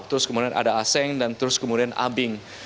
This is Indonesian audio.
terus kemudian ada aseng dan terus kemudian abing